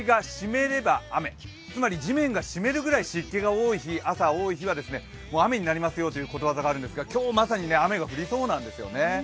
つまり地面が湿るぐらい、朝、湿気が多い日は雨になりますよということわざがあるんですが今日まさに雨が降りそうなんですよね。